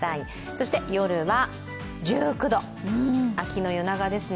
そして夜は１９度、秋の夜長ですね。